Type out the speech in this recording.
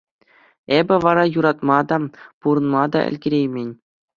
Эпӗ вара юратма та, пурӑнма та ӗлкӗреймен.